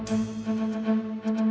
bandara juga bergantung lah udah